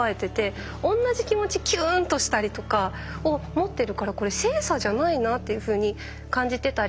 おんなじ気持ちキューンとしたりとか。を持っているからこれ性差じゃないなっていうふうに感じてたり。